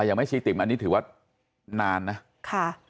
อ่ะอย่างแม่ชีติ๋มอันนี้ถือว่านานนะ